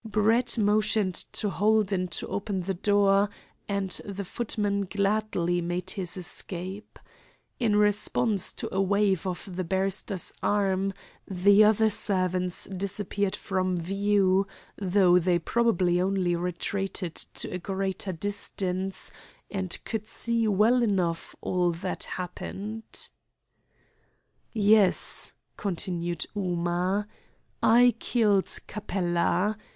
Brett motioned to Holden to open the door, and the footman gladly made his escape. In response to a wave of the barrister's arm the other servants disappeared from view, though they probably only retreated to a greater distance, and could see well enough all that happened. "Yes," continued Ooma, "I killed Capella.